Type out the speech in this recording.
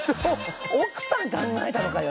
奥さん考えたのかよ。